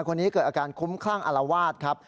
คนนี้เกิดอาการคุ้มคลั่งอารวาสครับ